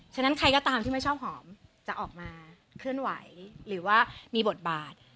ฉะนั้นใครก็ตามที่ไม่ชอบหอมจะออกมาเคลื่อนไหวหรือว่ามีบทบาท